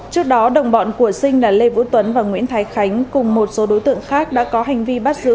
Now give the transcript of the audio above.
trước đó đồng bọn của sinh là lê vũ tuấn và nguyễn thái khánh cùng một số đối tượng khác đã có hành vi bắt giữ